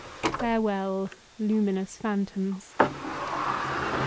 Farewell, luminous phantoms!